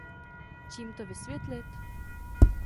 Čím to vysvětlit?